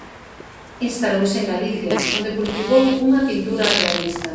Instalouse en Galicia, onde cultivou unha pintura realista.